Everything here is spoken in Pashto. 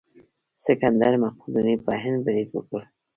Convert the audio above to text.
سکندر مقدوني په هند برید وکړ.